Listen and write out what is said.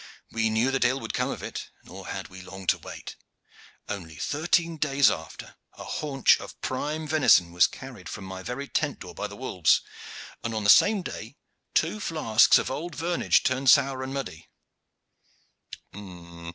We knew that ill would come of it, nor had we long to wait. Only thirteen days after, a haunch of prime venison was carried from my very tent door by the wolves, and on the same day two flasks of old vernage turned sour and muddy."